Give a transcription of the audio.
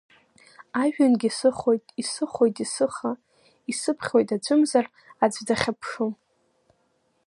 Ажәҩангьы сыхоит, исыхоит, исыха, исыԥхьоит аӡәымзар аӡә дахьыԥшым.